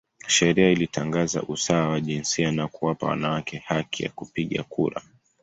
Sheria ilitangaza usawa wa jinsia na kuwapa wanawake haki ya kupiga kura.